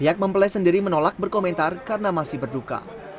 pihak mempelai sendiri menolak berkomentar karena masih berduka